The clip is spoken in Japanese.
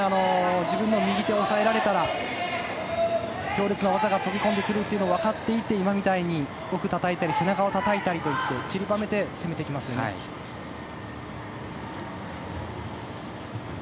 自分の右手を抑えられたら強烈な技が飛び込んでくると分かっているので奥をたたいたり背中をたたいたりして散りばめて攻めていますよね。